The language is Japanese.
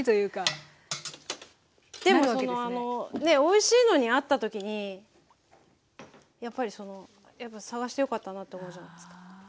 おいしいのに会った時にやっぱりその探してよかったなと思うじゃないですか。